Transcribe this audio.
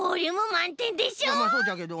まあまあそうじゃけど。